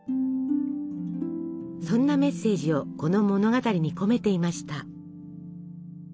そんなメッセージをこの物語に込めていました。